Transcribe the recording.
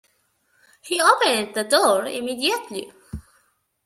He opened the door immediately.